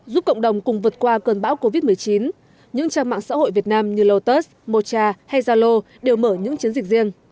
giúp cộng đồng cùng vượt qua cơn bão covid một mươi chín những trang mạng xã hội việt nam như lotus mocha hay zalo đều mở những chiến dịch riêng